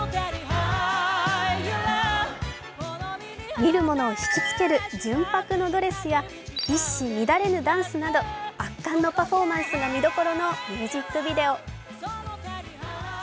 見る者を引きつける純白のドレスや一糸乱れぬダンスなど圧巻のパフォーマンスが見どころのミュージックビデオ。